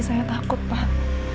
saya takut pak